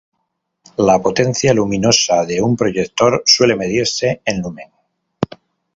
La potencia luminosa de un proyector suele medirse en lumen.